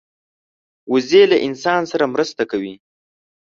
وزې له انسان سره مرسته کوي